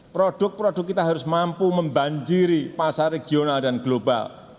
produk produk kita harus mampu membanjiri pasar regional dan global